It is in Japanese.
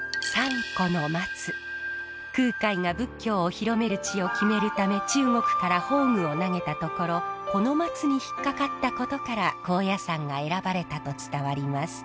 空海が仏教を広める地を決めるため中国から法具を投げたところこの松に引っかかったことから高野山が選ばれたと伝わります。